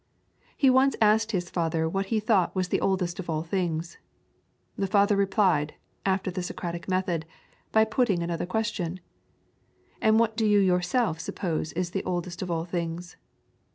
He once asked his father what he thought was the oldest of all things. The father replied, after the Socratic method, by putting another question: 'And what do you yourself suppose is the oldest of all things?'